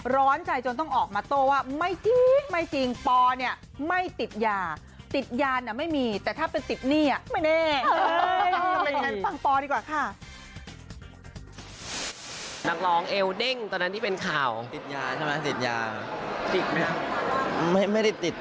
ก็อย่างงั้นนะอาจจะไปด้วยไอ้ฟังพ่อดีกว่า